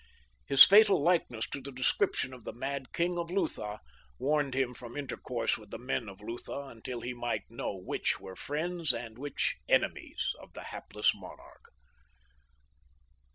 His fatal likeness to the description of the mad king of Lutha warned him from intercourse with the men of Lutha until he might know which were friends and which enemies of the hapless monarch.